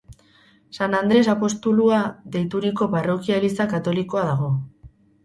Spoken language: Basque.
San Andres apostolua deituriko parrokia-eliza katolikoa dago.